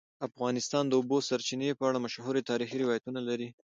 افغانستان د د اوبو سرچینې په اړه مشهور تاریخی روایتونه لري.